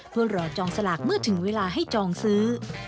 เพื่อรอจองสลากเมื่อถึงเวลาให้จองซื้อ